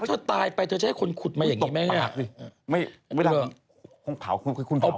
ถ้าเธอตายไปเธอจะให้คนขุดมาอย่างงี้ไหมครับ